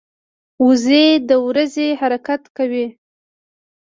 وزې د ورځي حرکت کوي